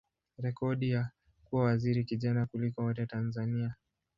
rekodi ya kuwa waziri kijana kuliko wote Tanzania.